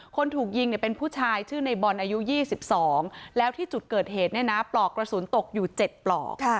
คนถูกยิงเนี่ยเป็นผู้ชายชื่อในบอลอายุ๒๒แล้วที่จุดเกิดเหตุเนี่ยนะปลอกกระสุนตกอยู่๗ปลอก